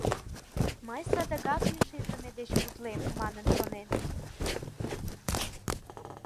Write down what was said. «Мый садыгак лишитлыме гыч утлем», — манын шонен.